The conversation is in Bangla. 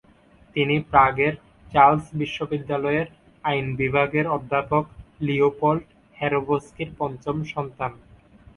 তিনি প্রাগের চার্লস বিশ্ববিদ্যালয়ের আইন বিভাগের অধ্যাপক লিওপল্ড হেরোভস্কির পঞ্চম সন্তান।